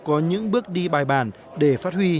có những bước đi bài bàn để phát huy